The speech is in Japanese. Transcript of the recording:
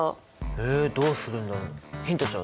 えどうするんだろう？